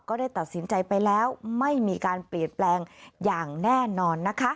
ได้ตัดสินใจไปแล้วไม่มีการเปลี่ยนแปลงอย่างแน่นอนนะคะ